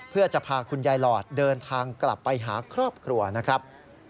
เพื่อจะพาคุณยายหลอดเดินทางกลับไปหาครอบครัวนะครับ